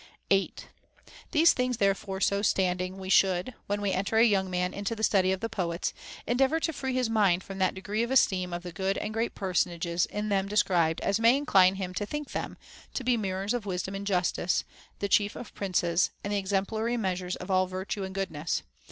8. These things therefore so standing, we should, when we enter a young man into the study of the poets, en deavor to free his mind from that degree of esteem of the good and great personages in them described as may incline him to think them to be mirrors of wisdom and justice, the chief of princes, and the exemplary measures of all virtue and goodness.